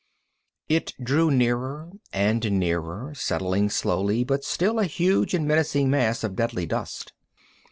It drew nearer and nearer, settling slowly, but still a huge and menacing mass of deadly dust.